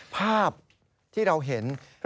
ภาพที่เราเห็น